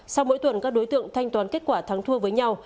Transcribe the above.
sau mỗi tuần các đối tượng thanh toán kết quả thắng thua với nhau